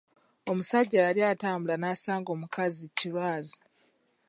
Omusajja yali atambula nasanga omukazi ki lwazi.